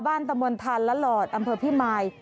บ้านตมรธันท์และหลอดอำเภอพี่ไมล์